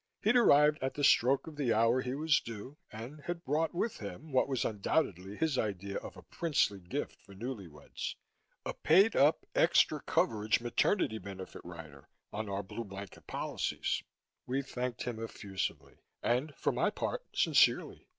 He'd arrived at the stroke of the hour he was due, and had brought with him what was undoubtedly his idea of a princely gift for newly weds a paid up extra coverage maternity benefit rider on our Blue Blanket policies. We thanked him effusively. And, for my part, sincerely.